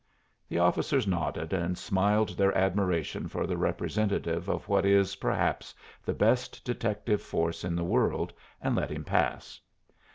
The officers nodded and smiled their admiration for the representative of what is, perhaps, the best detective force in the world, and let him pass.